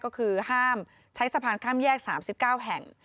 ก็คือห้ามใช้สะพานข้ามแยก๓๙แห่ง